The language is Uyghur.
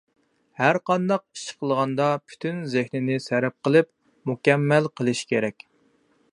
ھەر قانداق ئىش قىلغاندا پۈتۈن زېھنىنى سەرپ قىلىپ، مۇكەممەل قىلىش كېرەك.